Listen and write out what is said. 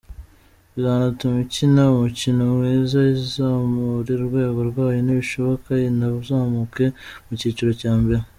Bizanatuma ikina umukino mwiza, izamure urwego rwayo nibishoboka inazamuke mu cyiciro cya mbere.